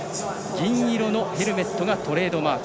銀色のヘルメットがトレードマーク。